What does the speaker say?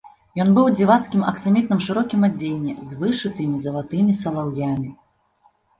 Ён быў у дзівацкім аксамітным шырокім адзенні з вышытымі залатымі салаўямі.